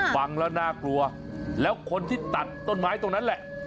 ฟังแล้วน่ากลัวแล้วคนที่ตัดต้นไม้ตรงนั้นแหละ